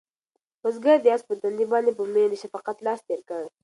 بزګر د آس په تندي باندې په مینه د شفقت لاس تېر کړ.